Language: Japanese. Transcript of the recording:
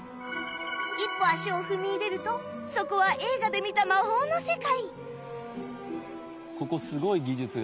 一歩足を踏み入れるとそこは映画で見た魔法の世界